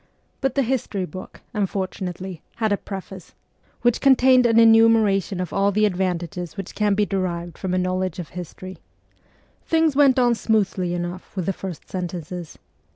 But the history book, unfortunately, hacl a preface, which contained an enumeration of all the advantages which can be derived from a knowledge of history. Things went on smoothly enough with the first sentences.